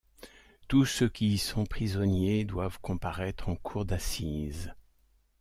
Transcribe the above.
Tous ceux qui y sont prisonniers doivent comparaître en cour d’assises.